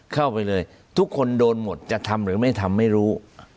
เข้าไปเลยทุกคนโดนหมดจะทำหรือไม่ทำไม่รู้